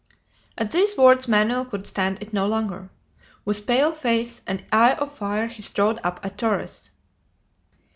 At these words Manoel could stand it no longer. With pale face and eye of fire he strode up to Torres.